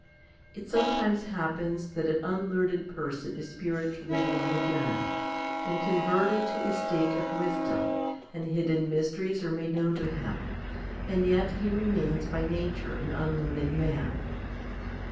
It sometimes 1 i Cor. xii. 9. HOMILY XXVI 187 happens that an unlearned person is spiritually born again, and converted to a state of wisdom, and hidden mysteries are made known to him ; and yet he remains by nature an unlearned man.